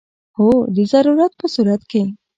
هو، د ضرورت په صورت کې